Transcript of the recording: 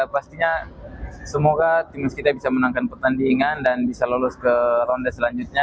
pastinya semoga tim kita bisa menangkan pertandingan dan bisa lolos ke ronde selanjutnya